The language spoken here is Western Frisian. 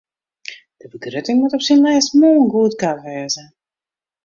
De begrutting moat op syn lêst moarn goedkard wêze.